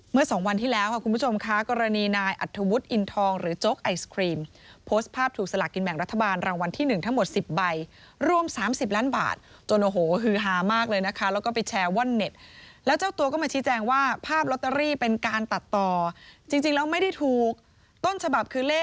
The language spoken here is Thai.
สองวันที่แล้วค่ะคุณผู้ชมค่ะกรณีนายอัธวุฒิอินทองหรือโจ๊กไอศครีมโพสต์ภาพถูกสลากินแบ่งรัฐบาลรางวัลที่๑ทั้งหมด๑๐ใบรวม๓๐ล้านบาทจนโอ้โหฮือฮามากเลยนะคะแล้วก็ไปแชร์ว่อนเน็ตแล้วเจ้าตัวก็มาชี้แจงว่าภาพลอตเตอรี่เป็นการตัดต่อจริงแล้วไม่ได้ถูกต้นฉบับคือเล